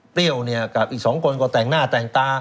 เนี่ยกับอีก๒คนก็แต่งหน้าแต่งตา